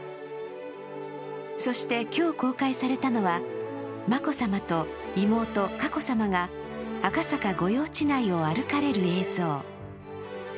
そして今日公開されたのは眞子さまと妹、佳子さまが赤坂御用地内を歩かれる映像。